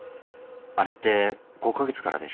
あれって５か月からでしょ。